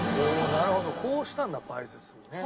なるほどこうしたんだパイ包みね。